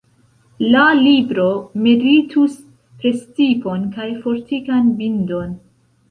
La libro meritus prestipon kaj fortikan bindon.